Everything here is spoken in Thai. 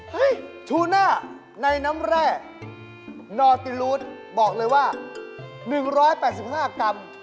ชูน่าในน้ำแร่นอติลูดบอกเลยว่า๑๘๕กรัม